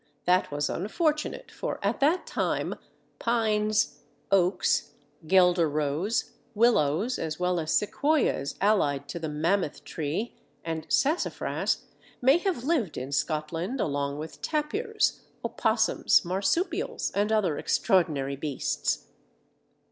That was unfortunate, for, at that time, Pines, Oaks, Guelder Rose, Willows, as well as Sequoias allied to the Mammoth tree and Sassafras, may have lived in Scotland along with tapirs, opossums, marsupials, and other extraordinary beasts.